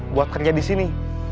buat kerja di sini